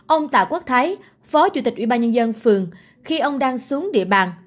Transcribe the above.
ông tạ quốc thái phó chủ tịch ủy ban nhân dân phường khi ông đang xuống địa bàn